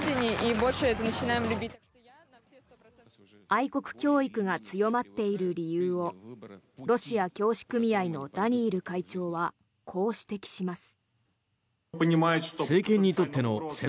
愛国教育が強まっている理由をロシア教師組合のダニイル会長はこう指摘します。